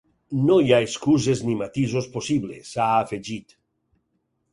No hi ha excuses ni matisos possibles, ha afegit.